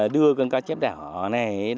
đưa con cá chép đỏ này